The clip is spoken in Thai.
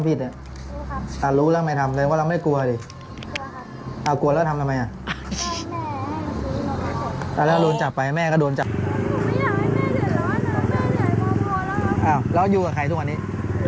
ไปดูคลิปนี้อ้าปิดหน้าเด็กก็ไม่นอน